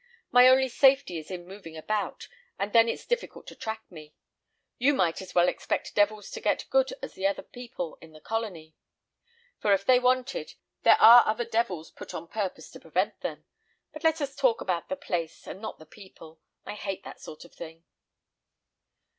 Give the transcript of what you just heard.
My only safety is in moving about, and then it's difficult to track me. You might as well expect devils to get good as the people in this colony; for if they wanted, there are other devils put on purpose to prevent them. But let us talk about the place, and not the people. I hate that sort of thing."